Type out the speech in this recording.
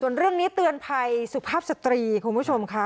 เรื่องนี้เตือนภัยสุภาพสตรีคุณผู้ชมค่ะ